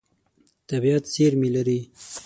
طبیعت زېرمې لري.